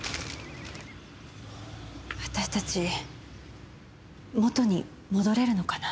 私たち元に戻れるのかな？